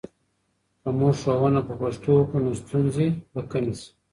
که موږ ښوونه په پښتو وکړو، نو ستونزې به کمې سي.